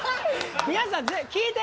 皆さん聞いて。